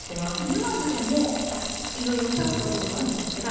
沼津でもいろいろ歌うことがあるんですって。